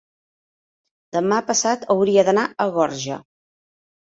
Demà passat hauria d'anar a Gorga.